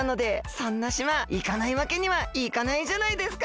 そんな島いかないわけにはいかないじゃないですか！